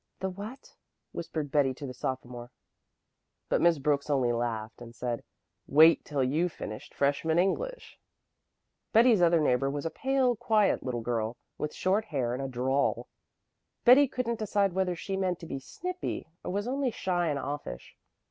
"The what?" whispered Betty to the sophomore. But Miss Brooks only laughed and said, "Wait till you've finished freshman English." Betty's other neighbor was a pale, quiet little girl, with short hair and a drawl. Betty couldn't decide whether she meant to be "snippy" or was only shy and offish.